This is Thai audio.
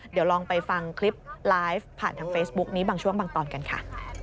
เดี๋ยวลองไปฟังคลิปไลฟ์ผ่านทางเฟซบุ๊กนี้บางช่วงบางตอนกันค่ะ